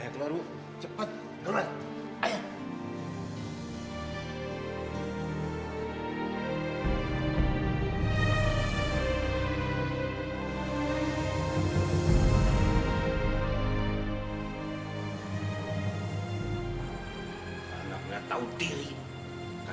kepada hasan ahmad kami persilakan